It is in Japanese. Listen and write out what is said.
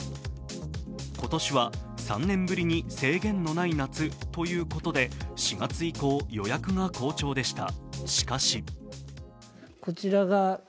今年は３年ぶりに制限のない夏ということで、４月以降、予約が好調でした。